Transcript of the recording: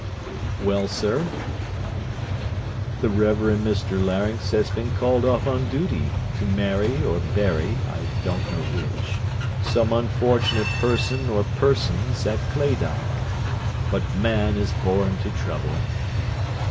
'Well, sir?' 'The Reverend Mr Larynx has been called off on duty, to marry or bury (I don't know which) some unfortunate person or persons, at Claydyke: but man is born to trouble!'